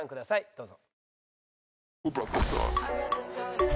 どうぞ。